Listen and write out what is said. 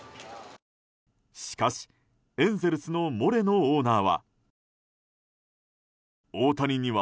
しかし、エンゼルスのモレノオーナーは。